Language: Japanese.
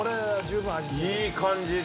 いい感じで。